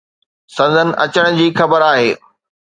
سندن اچڻ جي خبر آهي